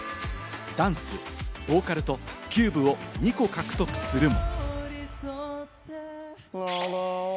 ダンス、ボーカルとキューブを２個獲得するも。